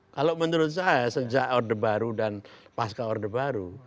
kalau menurut saya sejak orde baru dan pasca orde baru